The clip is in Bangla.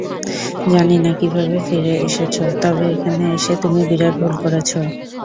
জানি না কীভাবে ফিরে এসেছ, তবে এখানে এসে তুমি বিরাট ভুল করেছ।